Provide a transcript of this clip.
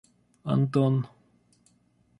Антон